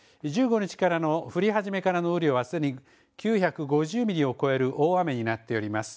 １５日からの降り始めからの雨量はすでに９５０ミリを超える大雨になっております。